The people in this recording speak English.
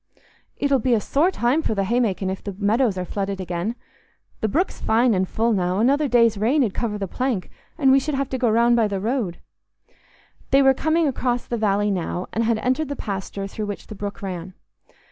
It'll be a sore time for th' haymaking if the meadows are flooded again. The brook's fine and full now: another day's rain 'ud cover the plank, and we should have to go round by the road." They were coming across the valley now, and had entered the pasture through which the brook ran.